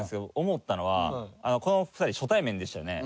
思ったのはこの２人初対面でしたよね？